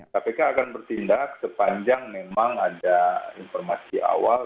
kpk akan bertindak sepanjang memang ada informasi awal